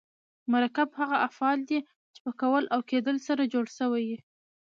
مرکب هغه افعال دي، چي په کول او کېدل سره جوړ سوي یي.